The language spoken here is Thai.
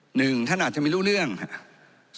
หนึ่งท่านอาจจะไม่รู้เรื่องครับ